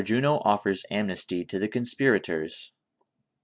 JUNO OFFERS AMNESTY TO THE CONSPIRATORS.